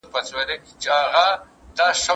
دا د جنګ له اوره ستړي ته پر سمه لار روان کې